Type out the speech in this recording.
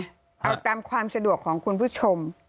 เอาตามความสะดวกของคุณผู้ชม